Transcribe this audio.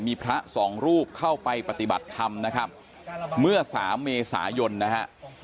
มีพระสองรูปเข้าไปปฏิบัติธรรมนะครับเมื่อสามเมษายนนะฮะ